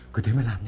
cứ thế mày làm nhé